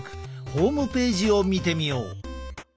ホームページを見てみよう。